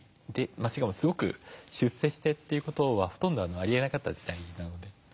しかもすごく出世してという事はほとんどありえなかった時代なので。